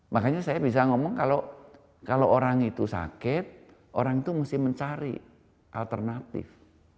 makanya saya bisa ngomong kalau orang itu sakit orang itu mesti mencari alternatif